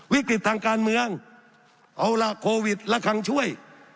วิกฤตทางการเมืองเอาล่ะโควิดละครั้งช่วย